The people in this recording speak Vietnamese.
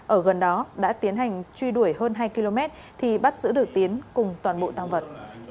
ở gần đó đã tiến hành truy đuổi hơn hai km thì bắt giữ được tiến cùng toàn bộ tăng vật